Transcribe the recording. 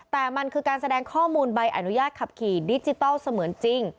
แต่มันคือการแสดงข้อมูลใบอนุญาตขับขี่ดิจิทัลเสมือนจริง